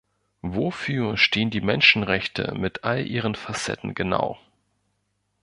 Wofür stehen die Menschenrechte mit all ihren Facetten genau?